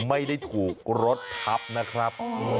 ไม่ได้ถูกรถทับนะครับ